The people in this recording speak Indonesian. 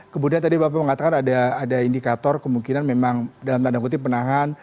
kemudian tadi bapak mengatakan ada indikator kemungkinan memang dalam tanda kutip penahan